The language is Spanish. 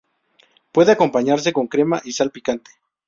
Puede acompañarse con crema y salsa picante.